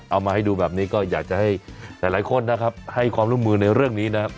เอามาให้ดูแบบนี้ก็อยากจะให้หลายคนนะครับให้ความร่วมมือในเรื่องนี้นะครับ